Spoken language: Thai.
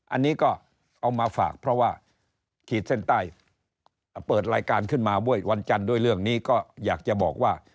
อันนี้ก็เอามาฝากเพราะว่าขีดเส้นใต้เปิดรายการขึ้นมาด้วยวันจันทร์ด้วยเรื่องนี้ก็อยากจะบอกว่า